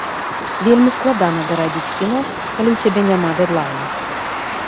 Вельмі складана дарабіць кіно, калі ў цябе няма дэдлайну.